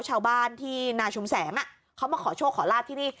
ชาวบ้านที่นาชุมแสงเขามาขอโชคขอลาบที่นี่